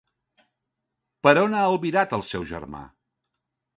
Per on ha albirat el seu germà?